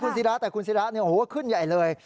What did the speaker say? คุณศิราแต่คุณศิราเนี่ยโอ้โหขึ้นใหญ่เลย